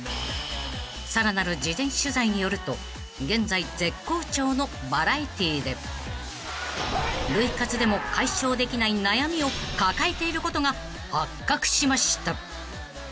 ［さらなる事前取材によると現在絶好調のバラエティーで涙活でも解消できない悩みを抱えていることが発覚しました］